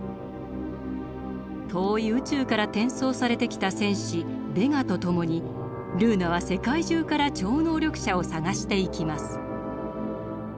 遠い宇宙から転送されてきた戦士ベガと共にルーナは世界中から超能力者を探していきます。